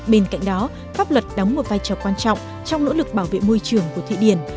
bên cạnh đó pháp luật đóng một vai trò quan trọng trong nỗ lực bảo vệ môi trường của thụy điển